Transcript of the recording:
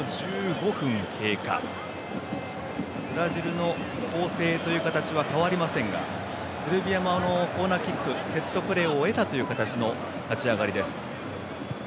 ブラジルの構成という形は変わりませんがセルビアもコーナーキックセットプレーを得たという形の立ち上がりです。